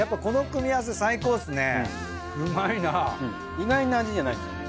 意外な味じゃないですよね。